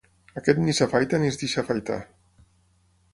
Aquest ni s'afaita ni es deixa afaitar.